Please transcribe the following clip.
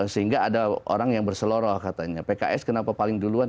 sehingga ada orang yang berseloroh katanya pks kenapa paling duluan